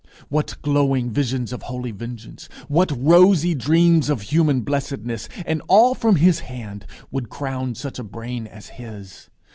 What glowing visions of holy vengeance, what rosy dreams of human blessedness and all from his hand would crowd such a brain as his!